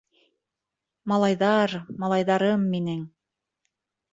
Малайҙар... малайҙарым минең...